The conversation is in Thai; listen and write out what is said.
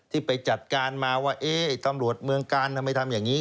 ที่ไปจัดการมาว่าเอ๊ะตำรวจเมืองกาลทำไมทำอย่างนี้